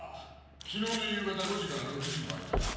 昨日の夕方５時から６時の間だ。